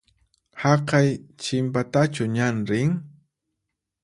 Haqay chinpatachu ñan rin?